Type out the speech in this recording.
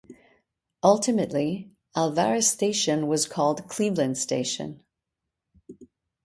Ultimately, Alvarez Station was called Cleveland Station.